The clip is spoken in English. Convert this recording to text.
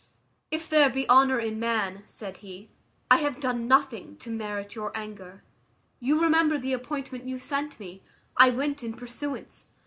"If there be honour in man," said he, "I have done nothing to merit your anger. You remember the appointment you sent me; I went in pursuance."